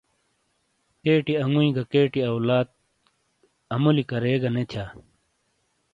کیٹی انگُوئی گہ کیٹی اولاد اَمُولی کَرے گہ نے تِھیا۔